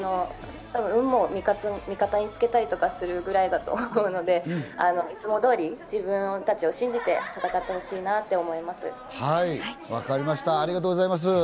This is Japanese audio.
運を味方につけたりとかするぐらいだと思うので、いつも通りに自分たちを信じて戦ってほしいなと思います。